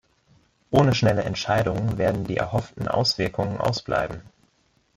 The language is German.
Ohne schnelle Entscheidungen werden die erhofften Auswirkungen ausbleiben.